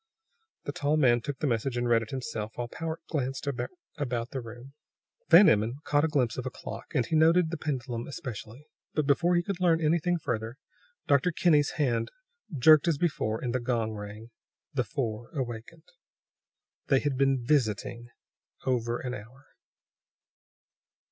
The tall man took the message and read it himself, while Powart glanced about the room. Van Emmon caught a glimpse of a clock, and he noted the pendulum especially. But before he could learn anything further, Dr. Kinney's hand jerked as before, and the gong rang. The four awakened. They had been "visiting" over an hour.